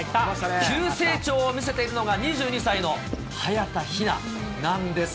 急成長を見せているのが２２歳の早田ひななんです。